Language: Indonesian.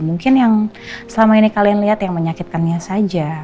mungkin yang selama ini kalian lihat yang menyakitkannya saja